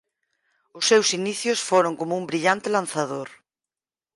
Os seus inicios foron como un brillante lanzador.